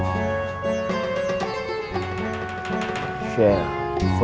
berkah untuk semua